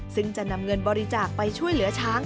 ซึ่งจะนำเงินบริจาคไปช่วยเหลือช้าง